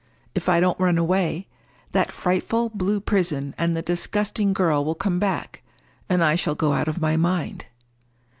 If I don't run away, that frightful blue prison and the disgusting girl will come back, and I shall go out of my mind.